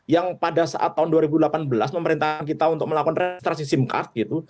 yang pada saat tahun dua ribu delapan belas pemerintahan kita untuk melakukan restrasi sim card gitu